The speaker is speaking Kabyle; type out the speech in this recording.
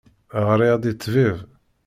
Ɣriɣ-d i ṭṭbib.